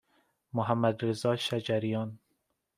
محمدرضا شجریان